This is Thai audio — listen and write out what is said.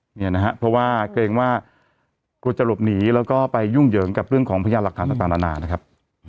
เนี่ยนะฮะเกรงว่ากูจะหลบหนีแล้วก็ไปยุ่งเหยิงกับเรื่องของพระยาลักษณะต่างต่างนะครับ